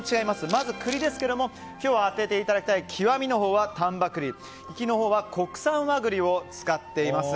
まず栗ですけれども今日当てていただきたい極は丹波栗粋のほうは国産和栗を使っています。